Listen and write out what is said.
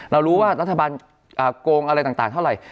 เรารู้ว่ารัฐบาลโกงอะไรต่างเท่าไหร่